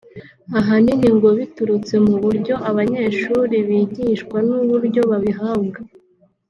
ahanini ngo biturutse mu byo abanyeshuri bigishwa n’uburyo babihabwa